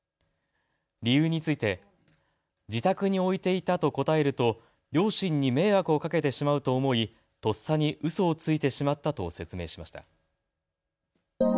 理由について自宅に置いていたと答えると両親に迷惑をかけてしまうと思いとっさにうそをついてしまったと説明しました。